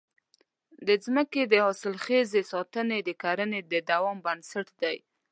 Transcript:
د ځمکې د حاصلخېزۍ ساتنه د کرنې د دوام بنسټ دی.